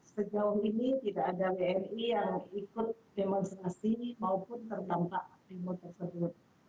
sejauh ini tidak ada wni yang ikut demonstrasi maupun terdampak demo tersebut